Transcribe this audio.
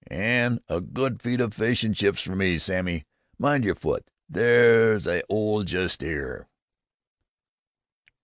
"An' a good feed o' fish an' chips fer me, Sammy. Mind yer foot! There's a 'ole just 'ere!"